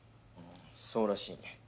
そうらしいね。